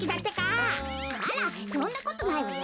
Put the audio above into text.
あらそんなことないわよ。